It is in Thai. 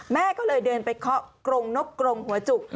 แม่ก็เลยเดินไปเคาะกรงนกกรงหัวจุก